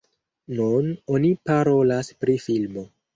Nun oni parolas pri filmo.